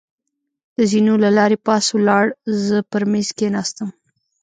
د زېنو له لارې پاس ولاړ، زه پر مېز کېناستم.